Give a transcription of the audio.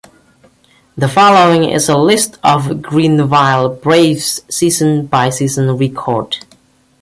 The following is a list of the Greenville Braves season-by-season record.